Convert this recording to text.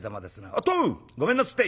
「おっとごめんなすって」。